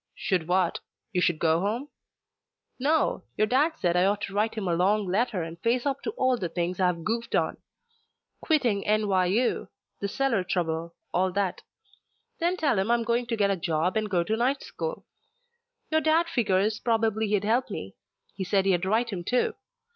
"Should what? You should go home?" "No. Your dad said I ought to write him a long letter and face up to all the things I've goofed on. Quitting NYU, the cellar trouble, all that. Then tell him I'm going to get a job and go to night school. Your dad figures probably he'd help me. He said he'd write him, too.